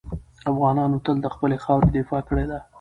افغانانو تل د خپلې خاورې دفاع کړې ده.